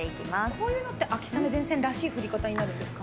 こういうのは秋雨前線らしい降り方になるんですか？